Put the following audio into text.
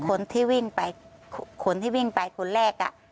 คนที่วิ่งไปคนแรก